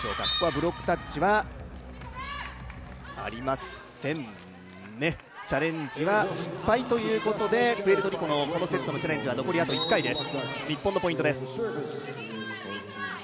ブロックタッチはありませんね、チャレンジは失敗ということで、プエルトリコのこのセットのチャレンジは残りあと１回です。